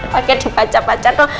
pake dipaca paca tuh